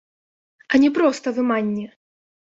А не проста выманне!